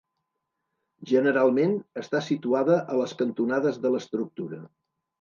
Generalment, està situada a les cantonades de l'estructura.